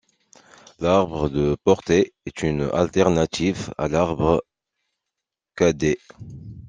L'arbre de portée est une alternative à l'arbre kd.